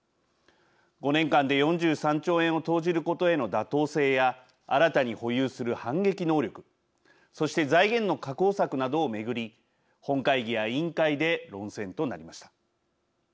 ５年間で４３兆円を投じることへの妥当性や新たに保有する反撃能力そして財源の確保策などを巡り本会議や委員会で論戦となりました。